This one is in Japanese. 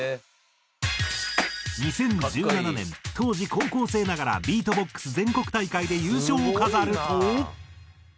２０１７年当時高校生ながらビートボックス全国大会で優勝を飾ると。